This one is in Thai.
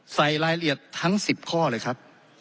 ใส่รายละเอียดทั้ง๑๐ข้อเลยครับ